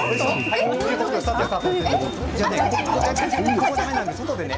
ここ、だめなんで外でね。